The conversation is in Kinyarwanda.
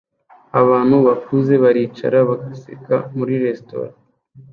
Abantu bakuze baricara bagaseka muri resitora